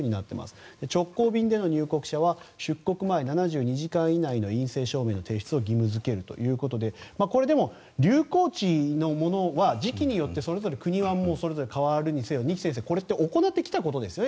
直行便での入国者は出国前７２時間以内の陰性証明の提出を義務付けるということでこれでも流行期のものは時期によって国は変わるにせよ二木先生行ってきたことですね。